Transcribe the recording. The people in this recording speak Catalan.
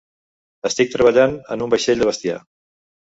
Estic treballant en un vaixell de bestiar.